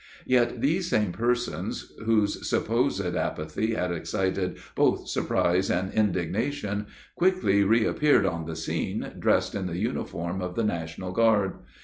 Yet these same persons, whose supposed apathy had excited both surprise and indignation, quickly reappeared on the scene, dressed in the uniform of the National Guard.